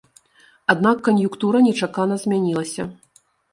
Аднак кан'юнктура нечакана змянілася.